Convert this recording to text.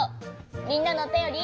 みんなのおたより。